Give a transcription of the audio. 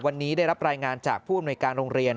วันนี้ได้รับรายงานจากผู้อำนวยการโรงเรียน